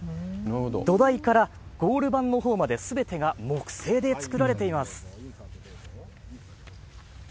土台からゴール盤のほうまですべてが木製で作られています。